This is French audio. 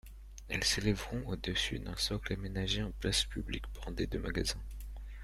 Elles s'élèveront au-dessus d'un socle aménagé en place publique bordée de magasins.